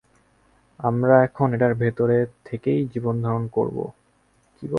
আমরা এখন এটার ভেতরে থেকেই জীবনধারণ করবো।